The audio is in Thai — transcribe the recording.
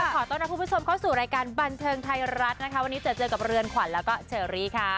ขอต้อนรับคุณผู้ชมเข้าสู่รายการบันเทิงไทยรัฐนะคะวันนี้เจอเจอกับเรือนขวัญแล้วก็เชอรี่ค่ะ